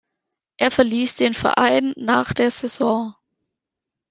Er verließ den Verein nach der Saison.